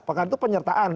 perkara itu penyertaan